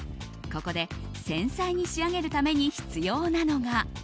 ここで繊細に仕上げるために必要なのが。